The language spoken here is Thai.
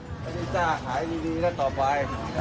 ตอนนี้จะขายดีแล้วต่อไป